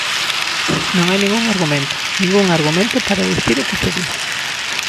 Non hai ningún argumento, ningún argumento para dicir o que se di.